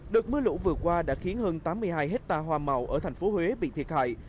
đợt mưa lũ vừa qua đã khiến hơn tám mươi hai hectare hoa màu ở thành phố huế bị thiệt hại